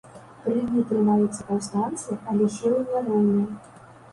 Тры дні трымаюцца паўстанцы, але сілы няроўныя.